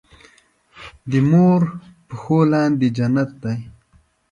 دې مور پښو لاندې جنت دی